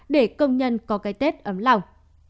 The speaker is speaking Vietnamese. để công nhân có cái tết ấm lòng